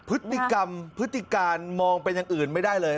พฤติกรรมพฤติการมองเป็นอย่างอื่นไม่ได้เลย